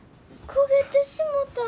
焦げてしもた。